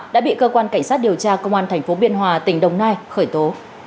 đã bị cơ quan cảnh sát điều tra công an tp biên hòa tỉnh đồng nai khởi tố